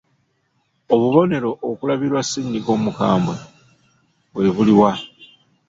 Obubonero okulabirwa Ssennyiga omukambwe bwe buli wa?